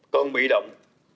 còn bị động